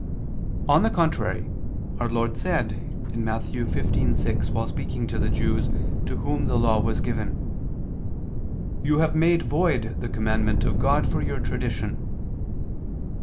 On the contrary, Our Lord said (Matt. 15:6) while speaking to the Jews, to whom the Law was given: "You have made void the commandment of God for your tradition."